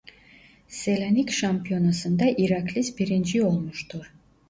Selanik şampiyonasında İraklis birinci olmuştur.